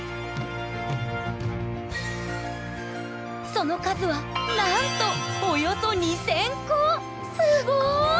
その数はなんとすごい！